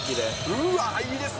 うわー、いいですね。